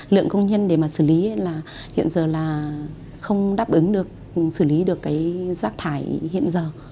lượng công nhân để mà xử lý là hiện giờ là không đáp ứng được xử lý được cái rác thải hiện giờ